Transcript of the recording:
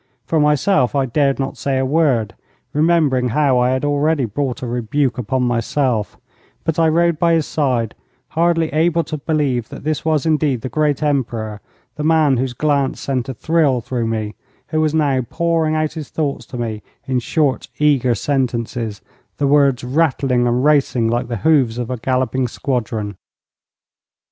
For myself, I dared not say a word, remembering how I had already brought a rebuke upon myself; but I rode by his side, hardly able to believe that this was indeed the great Emperor, the man whose glance sent a thrill through me, who was now pouring out his thoughts to me in short, eager sentences, the words rattling and racing like the hoofs of a galloping squadron.